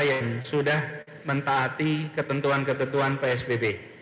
yang sudah mentaati ketentuan ketentuan psbb